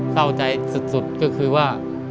เข้าใจสุดก็คือว่า